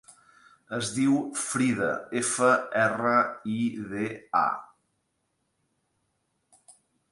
Es diu Frida: efa, erra, i, de, a.